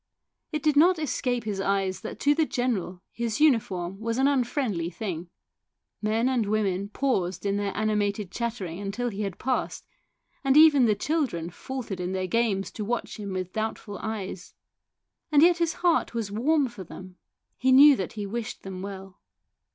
It did not escape his eyes that to the general his uniform was an unfriendly thing. Men and women paused in their animated chatter ing till he had passed, and even the children faltered in their games to watch him with doubtful eyes. And yet his heart was warm for them ; he knew that he wished them well.